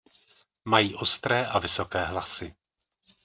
Mají ostré a vysoké hlasy.